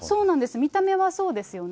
見た目はそうですよね。